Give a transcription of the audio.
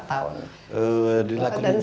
dilakukan juga banyak sekali sebenarnya